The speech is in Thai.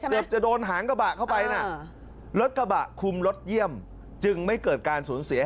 จะโดนหางกระบะเข้าไปนะรถกระบะคุมรถเยี่ยมจึงไม่เกิดการสูญเสีย